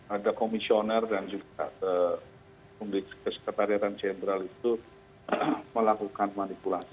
ada komisioner dan juga ketariratan jenderal itu melakukan manipulasi